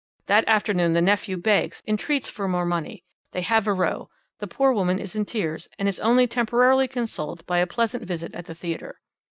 That afternoon the nephew begs, entreats for more money; they have a row; the poor woman is in tears, and is only temporarily consoled by a pleasant visit at the theatre.